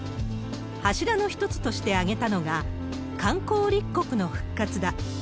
柱の一つとして挙げたのが、観光立国の復活だ。